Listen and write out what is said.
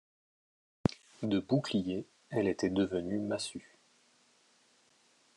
De bouclier elle était devenue massue.